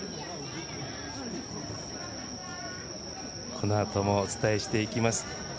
このあともお伝えしていきます。